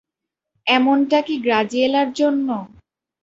এমনটা কি গ্রাজিয়েলার জন্য?